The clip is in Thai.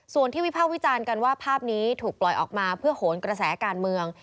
ส่วนที่วิภาควิจารณ์กันว่าภาพนี้ถูกปล่อยออกมาเพื่อโหนกระแสการเมือง